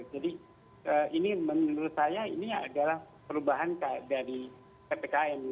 jadi ini menurut saya ini adalah perubahan dari ppkm